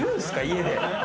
家で。